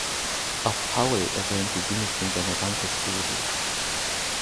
Auch Powell erwähnte sie nicht in seiner Dankesrede.